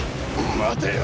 待てよ。